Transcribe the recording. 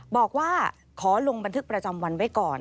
บอกว่าขอลงบันทึกประจำวันไว้ก่อน